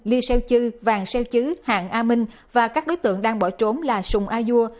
ly xeo chư vàng xeo chứ hạng a minh và các đối tượng đang bỏ trốn là sùng a dua